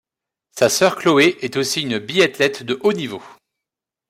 Sa sœur Chloé est aussi une biathlète de haut niveau.